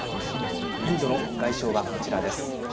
インドの外相はこちらです。